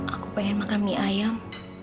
aku pengen makan mie ayam